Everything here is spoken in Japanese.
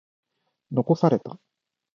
残された。